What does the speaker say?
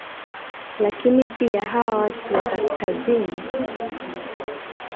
lakini pia hawa watu wa kaskasini